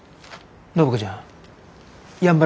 暢子ちゃん